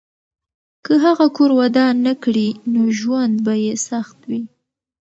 که هغه کور ودان نه کړي، نو ژوند به یې سخت وي.